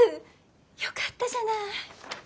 よかったじゃない。